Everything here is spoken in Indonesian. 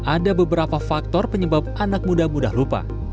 ada beberapa faktor penyebab anak muda